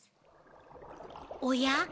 おや？